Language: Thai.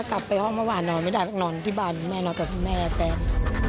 กลับไปห้องเมื่อวานนอนไม่ได้ต้องนอนที่บ้านแม่นอนกับแม่แฟน